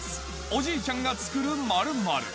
おじいちゃんが作る○○。